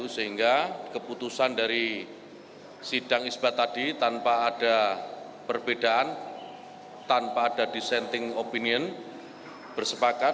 sehingga keputusan dari sidang isbat tadi tanpa ada perbedaan tanpa ada dissenting opinion bersepakat